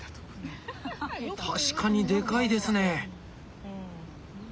確かにでかいですね。